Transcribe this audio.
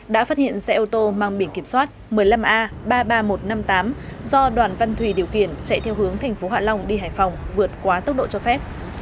đã phát hiện xe ô tô mang biển kiểm soát một mươi năm a ba mươi ba nghìn một trăm năm mươi tám do đoàn văn thùy điều khiển chạy theo hướng tp hạ long đi hải phòng vượt quá tốc độ cho phép